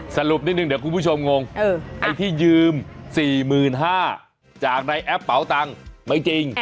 สรุปนิดนึงเดี๋ยวคุณผู้ชมงงไอ้ที่ยืม๔๕๐๐จากในแอปเป๋าตังค์ไม่จริง